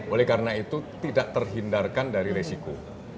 oleh karena itu tidak terhindarkan dari resiko